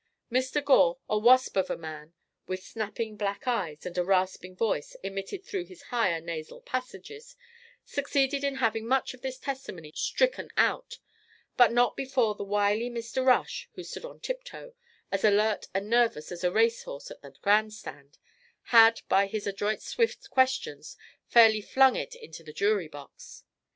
Mr. Gore, a wasp of a man with snapping black eyes and a rasping voice emitted through his higher nasal passages, succeeded in having much of this testimony stricken out, but not before the wily Mr. Rush, who stood on tiptoe, as alert and nervous as a race horse at the grandstand, had by his adroit swift questions fairly flung it into the jury box.